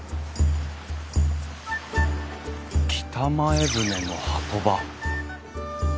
北前船の波止場。